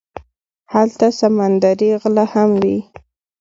هلته سمندري غله هم وي.